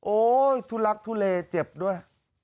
โอ้โฮทุลักษณ์ทุเลเจ็บด้วย